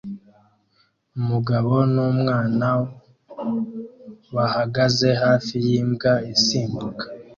Umugabo numwana bahagaze hafi yimbwa isimbuka